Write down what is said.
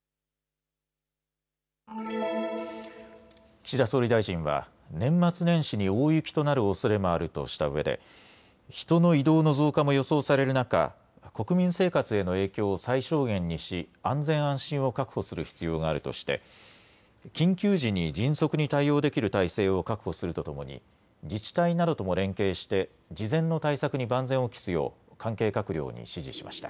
岸田総理大臣は年末年始に大雪となるおそれもあるとしたうえで人の移動の増加も予想される中、国民生活への影響を最小限にし安全安心を確保する必要があるとして緊急時に迅速に対応できる体制を確保するとともに自治体などとも連携して事前の対策に万全を期すよう関係閣僚に指示しました。